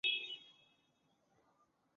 金朝时废。